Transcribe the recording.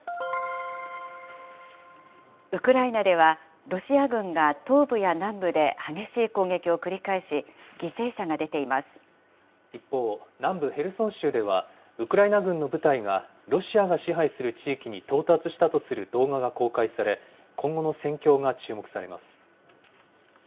ウクライナでは、ロシア軍が東部や南部で激しい攻撃を繰り返し、犠牲者が出ていま一方、南部ヘルソン州では、ウクライナ軍の部隊がロシアが支配する地域に到達したとする動画が公開され、今後の戦況が注目されます。